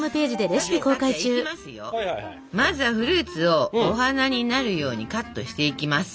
まずはフルーツをお花になるようにカットしていきます。